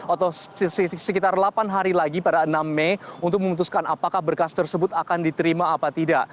atau sekitar delapan hari lagi pada enam mei untuk memutuskan apakah berkas tersebut akan diterima atau tidak